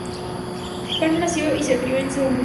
Park nació y se crio en Seúl.